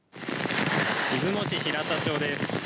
出雲市平田町です。